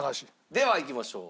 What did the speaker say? ではいきましょう。